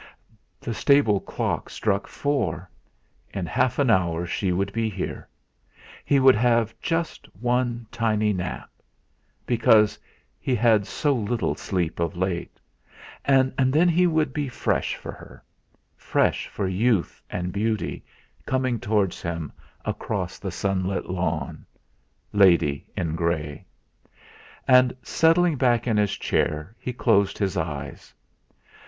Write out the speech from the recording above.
The stable clock struck four; in half an hour she would be here. He would have just one tiny nap, because he had had so little sleep of late; and then he would be fresh for her, fresh for youth and beauty, coming towards him across the sunlit lawn lady in grey! And settling back in his chair he closed his eyes.